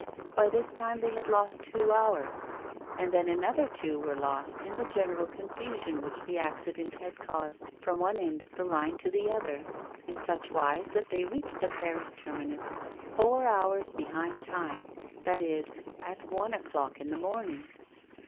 By this time they had lost two hours, and then another two were lost in the general confusion which the accident had caused from one end of the line to the other, in such wise that they reached the Paris terminus four hours behind time, that is, at one o'clock in the morning.